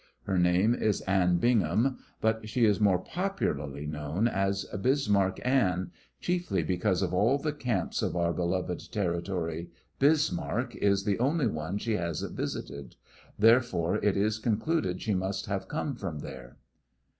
Her name is Anne Bingham, but she is more popularly known as Bismarck Anne, chiefly because of all the camps of our beloved territory Bismarck is the only one she hasn't visited. Therefore, it is concluded she must have come from there."